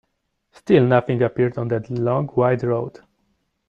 Still nothing appeared on that long white road.